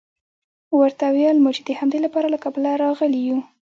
ورته ویل مو چې د همدې لپاره له کابله راغلي یوو.